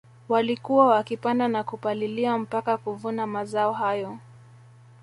Walikuwa wakipanda na kupalilia mpaka kuvuna mazao hayo